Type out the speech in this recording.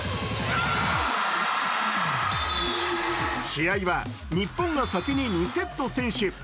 試合は日本が先に２セット先取。